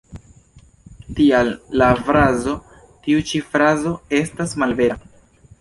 Tial la frazo ""Tiu ĉi frazo estas malvera.